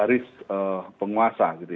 garis pihak yang sedang berkuasa gitu ya